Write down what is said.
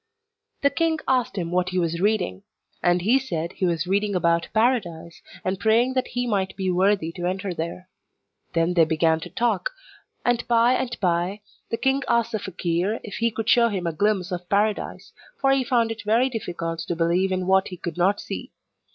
The king asked him what he was reading; and he said he was reading about Paradise, and praying that he might be worthy to enter there. Then they began to talk, and, by and bye, the king asked the fakeer if he could show him a glimpse of Paradise, for he found it very difficult to believe in what he could not see.